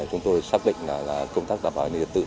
chúng tôi xác định là công tác đảm bảo an ninh trật tự